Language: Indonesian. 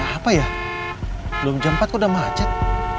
macet apa ya belum jam empat kok udah macet